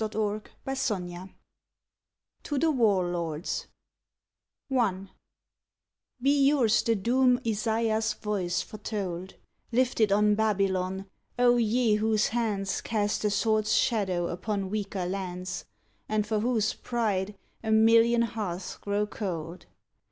130 ON THE GREAT WAR TO THE WAR LORDS I Be yours the doom Isaiah s voice foretold, Lifted on Babylon, O ye whose hands Cast the sword s shadow upon weaker lands, And for whose pride a million hearths grow cold